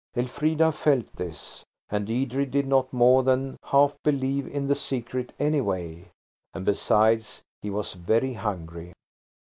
Elfrida felt this. And Edred did not more than half believe in the secret, anyway. And besides he was very hungry.